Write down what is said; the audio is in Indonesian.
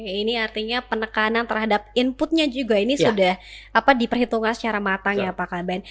oke ini artinya penekanan terhadap inputnya juga ini sudah diperhitungkan secara matang ya pak kaban